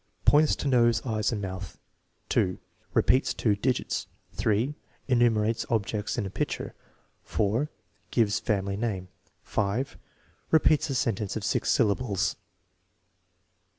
Points to nose, eyes, and mouth. 2. Repeats two digits. 3. Enumerates objects in a picture. 4. Gives family name. 5. Repeats a sentence of six syllables.